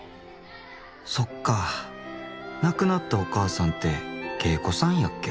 そっか亡くなったお母さんって芸妓さんやっけ。